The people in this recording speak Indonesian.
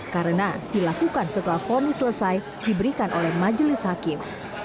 karena dilakukan setelah formi selesai diberikan oleh majelis hakim